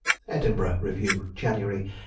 Edinburgh Review, January, 1834.